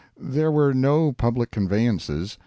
There were no public conveyances.